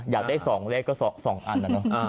อยากได้๒เลขก็๒อันนะเนอะ